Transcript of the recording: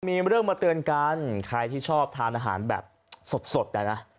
มีเรื่องมาเตือนกันใครที่ชอบทานอาหารแบบสดนะ